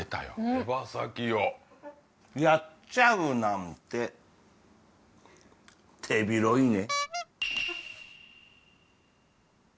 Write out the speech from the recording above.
手羽先をやっちゃうなんて手広いね？